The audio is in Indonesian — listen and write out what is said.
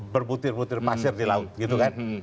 berbutir butir pasir di laut gitu kan